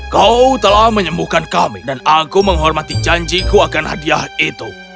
kau telah menyembuhkan kami dan aku menghormati janjiku akan hadiah itu